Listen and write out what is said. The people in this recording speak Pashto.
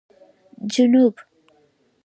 جنوب